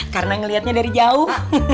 karena ngeliatnya dari jauh